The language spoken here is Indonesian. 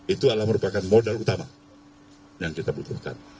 itu adalah merupakan modal utama yang kita butuhkan